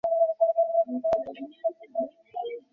পরবর্তীতে বিএনপির রেজাউল করিম বাদশা প্রার্থীতা প্রত্যাহার করে নেয়।